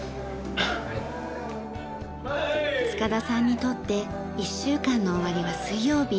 塚田さんにとって一週間の終わりは水曜日。